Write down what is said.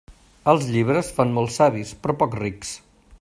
Els llibres fan molts savis, però pocs rics.